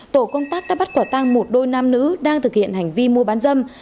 tổ công tác đã bắt quả tăng một đôi nam nữ đang thực hiện hành vi mua bán dâm